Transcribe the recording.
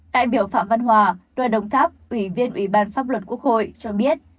đại biểu phạm văn hòa đoàn đồng tháp ủy viên ủy ban pháp luật quốc hội cho biết